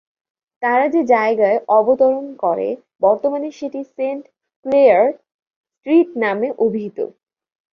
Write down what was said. তারা যে জায়গায় অবতরণ করে, বর্তমানে সেটি সেন্ট ক্লেয়ার স্ট্রিট নামে অভিহিত।